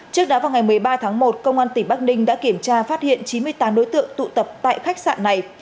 trước đó vào ngày một mươi ba tháng một công an tỉnh bắc ninh đã kiểm tra phát hiện chín mươi tám đối tượng tụ tập tại khách sạn này